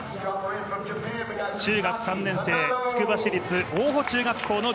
中学３年生、つくば市立大穂中学校。